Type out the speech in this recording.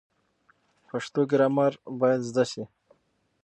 پښتو ګرامر باید زده شي.